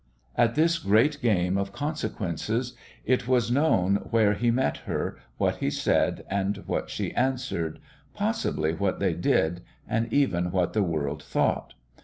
In this great game of Consequences it was known where he met her, what he said and what she answered, possibly what they did and even what the world thought.